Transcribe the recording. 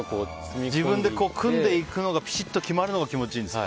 自分で組んでいくのがピシッと決めるのが気持ちいいんですか。